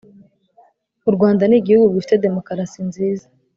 Urwanda ni igihugu gifite demokarasi nziza